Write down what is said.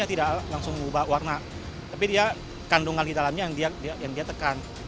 dia tidak langsung mengubah warna tapi dia kandungan di dalamnya yang dia tekan